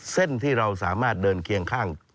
เส้นที่เราสามารถเดินเคียงข้าง